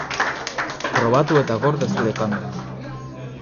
Probatu eta gorde zure kameran.